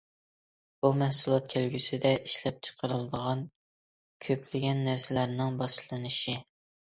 بۇ مەھسۇلات كەلگۈسىدە ئىشلەپچىقىرىلىدىغان كۆپلىگەن نەرسىلەرنىڭ باشلىنىشى.